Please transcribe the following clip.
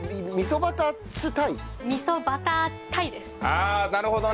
ああなるほどね！